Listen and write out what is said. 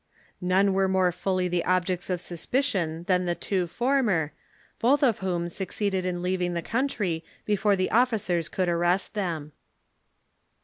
None were more fully the objects of suspicion than the two former, both of whom succeeded in leaving the coun try before the officers could arrest them.